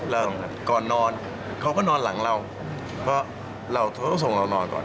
แล้วก่อนนอนเขาก็นอนหลังเราเพราะเราต้องส่งเรานอนก่อน